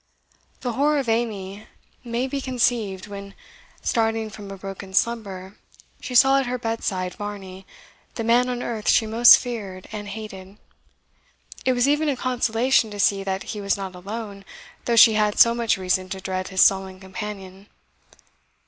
The horror of Amy may be conceived when, starting from a broken slumber, she saw at her bedside Varney, the man on earth she most feared and hated. It was even a consolation to see that he was not alone, though she had so much reason to dread his sullen companion.